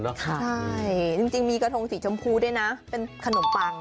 ใช่จริงมีกระทงสีชมพูด้วยนะเป็นขนมปัง